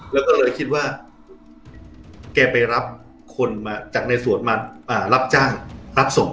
แล้วก็เลยคิดว่าแกไปรับคนมาจากในสวนมารับจ้างรับศพ